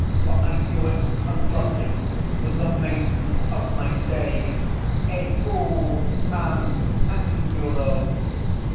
'For I knew it and loved it with the maidens of my day _eheu ab angulo!